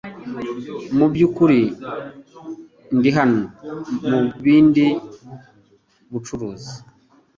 Mubyukuri ndi hano mubindi bucuruzi .